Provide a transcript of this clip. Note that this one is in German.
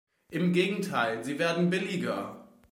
Im Gegenteil, sie werden billiger.